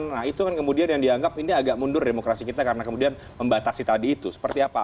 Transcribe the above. nah itu kan kemudian yang dianggap ini agak mundur demokrasi kita karena kemudian membatasi tadi itu seperti apa